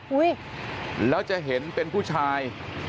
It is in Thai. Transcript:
อุ๊ยแล้วจะเห็นเป็นผู้ชาย